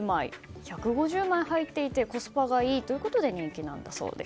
１５０枚入っていてコスパがいいということで人気なんだそうです。